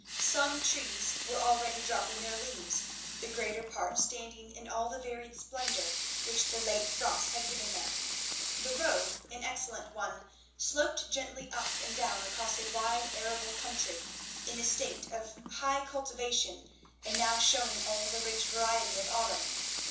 Some trees were already dropping their leaves; the greater part standing in all the varied splendour which the late frosts had given them. The road, an excellent one, sloped gently up and down across a wide arable country, in a state of high cultivation and now shewing all the rich variety of autumn.